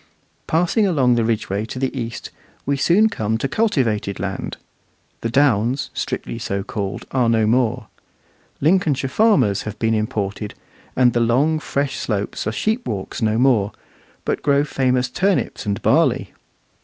Passing along the Ridgeway to the east, we soon come to cultivated land. The downs, strictly so called, are no more. Lincolnshire farmers have been imported, and the long, fresh slopes are sheep walks no more, but grow famous turnips and barley.